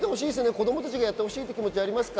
子供たちがやってほしいという気持ちはありますか？